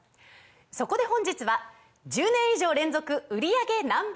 そこで本日は１０年以上連続売り上げＮｏ．１